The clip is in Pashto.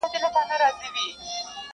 o نغرى له دښمنه ډک ښه دئ، نه له دوسته خالي٫